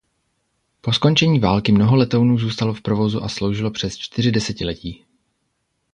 Po skončení války mnoho letounů zůstalo v provozu a sloužilo přes čtyři desetiletí.